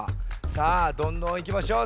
さあどんどんいきましょう！